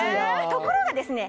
ところがですね